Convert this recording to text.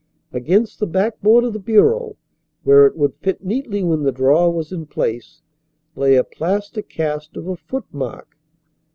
Against the back board of the bureau, where it would fit neatly when the drawer was in place, lay a plaster cast of a footmark.